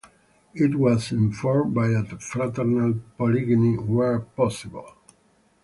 It was informed by a fraternal polygyny where possible.